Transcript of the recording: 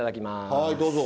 はいどうぞ。